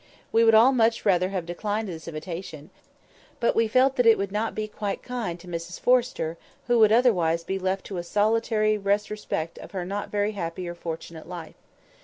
We would all much rather have declined this invitation; but we felt that it would not be quite kind to Mrs Forrester, who would otherwise be left to a solitary retrospect of her not very happy or fortunate life.